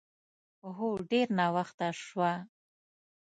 هو، ډېر ناوخته شوه.